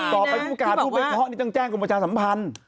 ผู้การผู้ไปเพาะนี่ต้องแจ้งกรมประชาสัมพันธ์